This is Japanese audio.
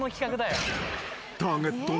［ターゲットの野呂。